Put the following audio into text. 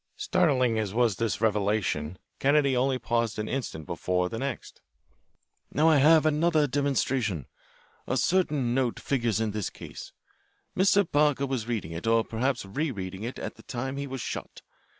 Startling as was this revelation, Kennedy paused only an instant before the next. "Now I have another demonstration. A certain note figures in this case. Mr. Parker was reading it, or perhaps re reading it, at the time he was shot.